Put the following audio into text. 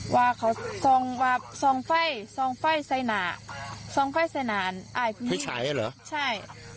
ว่าทรงไฟ่ทรงไฟ่ไซนาทรงไฟ่ไซนานพระยายเหรอใช่